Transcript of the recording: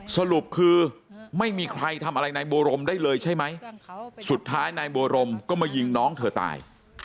สรุปคือไม่มีใครทำอะไรนายบัวรมได้เลยใช่ไหมสุดท้ายนายบัวรมก็มายิงน้องเธอตาย